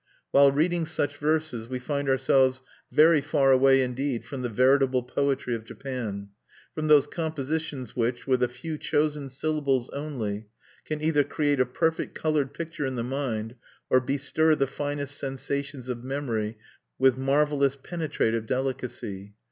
While reading such verses, we find ourselves very far away indeed from the veritable poetry of Japan, from those compositions which, with a few chosen syllables only, can either create a perfect colored picture in the mind, or bestir the finest sensations of memory with marvelous penetrative delicacy.